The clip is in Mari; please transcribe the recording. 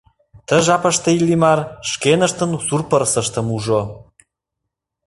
Ты жапыште Иллимар шкеныштын сур пырысыштым ужо.